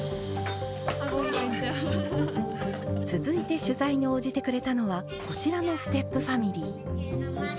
続いて取材に応じてくれたのはこちらのステップファミリー。